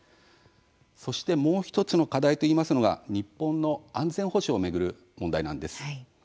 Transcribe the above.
そしてもう一つの課題といいますのが日本の安全保障を巡る問題なんです。